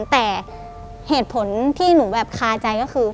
แต่เหตุผลที่หนูแบบคาใจก็คือ